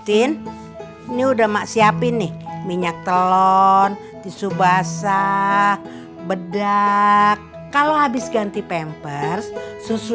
tin ini udah maksiap ini minyak telon tisu basah bedak kalau habis ganti pembers susu